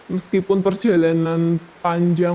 meskipun perjalanan panjang